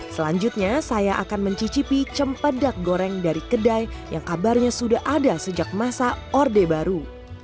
selanjutnya saya akan mencicipi cempedak goreng dari kedai yang kabarnya sudah ada sejak masa orde baru